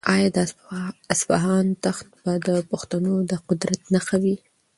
آیا د اصفهان تخت به د پښتنو د قدرت نښه وي؟